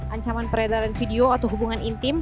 ancaman peredaran video atau hubungan intim